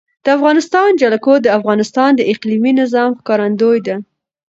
د افغانستان جلکو د افغانستان د اقلیمي نظام ښکارندوی ده.